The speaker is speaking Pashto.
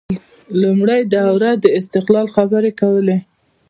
لومړۍ دوره د استقلال خبرې کولې